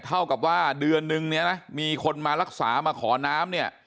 เท่ากับว่าเดือนนึงเนี่ยนะมีคนมารักษามาขอน้ำเนี่ย